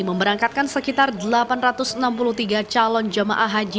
memberangkatkan sekitar delapan ratus enam puluh tiga calon jemaah haji